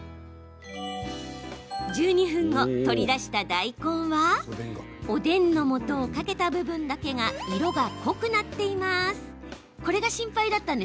１２分後、取り出した大根はおでんのもとをかけた部分だけが色が濃くなっています。